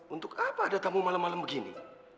untuk apa ada tamu malam malam begini